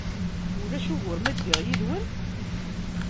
Ulac ugur ma ddiɣ yid-wen?